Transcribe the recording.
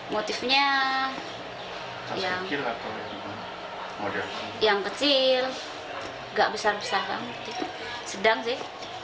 motifnya yang kecil gak besar besar banget sedang sih